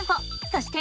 そして。